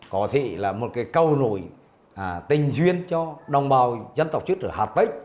có thể là một cái câu nổi tình duyên cho đồng bào dân tộc chất ở hạt tích